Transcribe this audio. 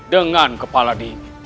dengan kepala dirimu